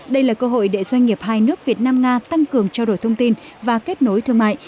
đây là cơ hội để doanh nghiệp hai nước việt nam nga tăng cường trao đổi thông tin và kết nối thương mại